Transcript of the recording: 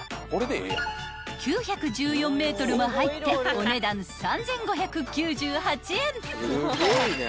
［９１４ｍも入ってお値段３，５９８円］